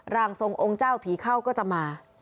ร่างทรงองค์เจ้าผีเข้าก็จะมา